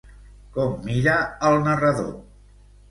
Com mira al narrador?